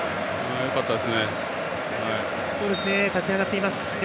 よかったです。